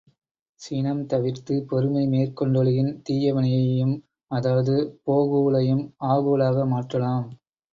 சினம் தவிர்த்துப் பொறுமை மேற்கொண்டொழுகின் தீயவினையையும் அதாவது போகூழையும் ஆகூழாக மாற்றலாம்.